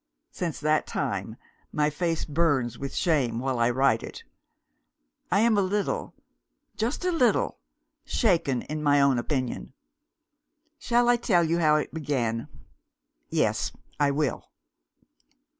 Since that time my face burns with shame while I write it I am a little, just a little, shaken in my own opinion. "Shall I tell you how it began? Yes; I will.